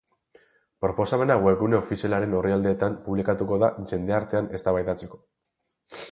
Proposamena webgune ofizialaren orrialdeetan publikatuko da jendeartean eztabaidatzeko.